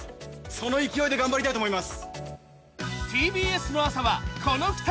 その勢いで頑張りたいと思います